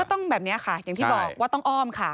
ต้องแบบนี้ค่ะอย่างที่บอกว่าต้องอ้อมค่ะ